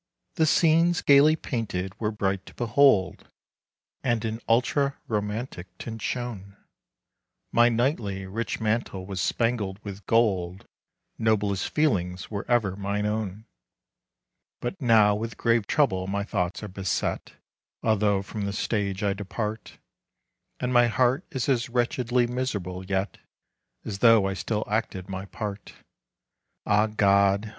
The scenes gaily painted were bright to behold, And in ultra romantic tints shone. My knightly, rich mantle was spangled with gold; Noblest feelings were ever mine own. But now with grave trouble my thoughts are beset, Although from the stage I depart; And my heart is as wretchedly miserable yet, As though I still acted my part. Ah God!